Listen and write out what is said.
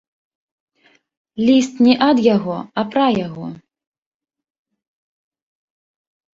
Ліст не ад яго, а пра яго.